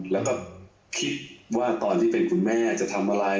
แล้วก็คิดว่าตอนที่เป็นคุณแม่จะทำอะไร